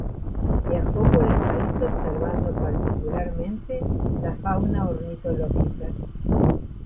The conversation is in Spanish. Viajó por el país observando particularmente la fauna ornitológica.